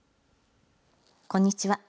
こんにちは。